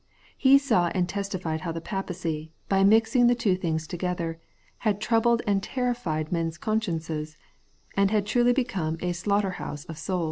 He saw and testified how the Papacy, by mixing the two things together, had troubled and terrified men's consciences, and had truly become a ' slaughter house of souls.'